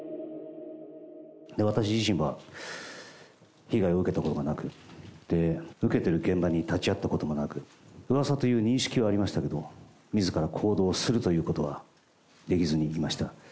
私自身は、被害を受けたことがなく、受けてる現場に立ち会ったこともなく、うわさという認識はありましたけど、みずから行動するということはできずにいました。